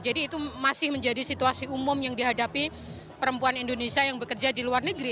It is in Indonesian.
jadi itu masih menjadi situasi umum yang dihadapi perempuan indonesia yang bekerja di luar negeri